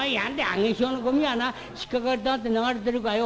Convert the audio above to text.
上げ潮のごみはな引っ掛かりたくて流れてるかよ。